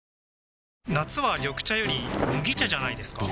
夏は緑茶より麦茶じゃないですか？